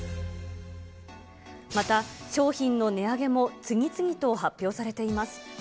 また商品の値上げも次々と発表されています。